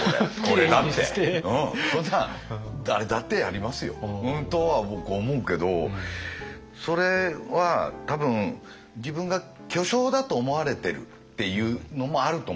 俺だってそんなん誰だってやりますよ。とは僕思うけどそれは多分自分が巨匠だと思われてるっていうのもあると思うんですよ。